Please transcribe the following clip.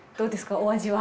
お味は。